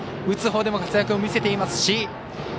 打つほうでも活躍を見せています。